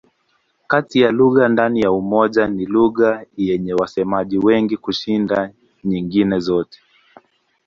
Kati ya lugha ndani ya Umoja ni lugha yenye wasemaji wengi kushinda nyingine zote.